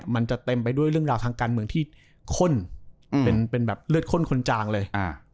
มันจะเต็มไปด้วยเรื่องราวทางการเมืองที่ข้นเป็นแบบเลือดข้นคนจางเลย